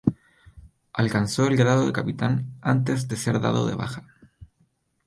Alcanzó el grado de capitán antes de ser dado de baja.